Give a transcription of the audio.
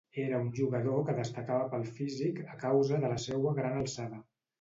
Era un jugador que destacava pel físic a causa de la seua gran alçada.